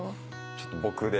ちょっと僕で。